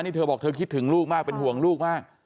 นี่เธอบอกเธอคิดถึงลูกมากเป็นห่วงลูกมาก